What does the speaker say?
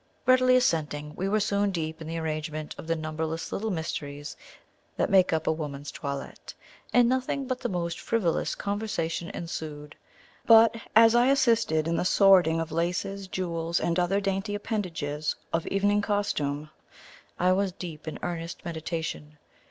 Readily assenting, we were soon deep in the arrangement of the numberless little mysteries that make up a woman's toilette; and nothing but the most frivolous conversation ensued. But as I assisted in the sorting of laces, jewels, and other dainty appendages of evening costume, I was deep in earnest meditation.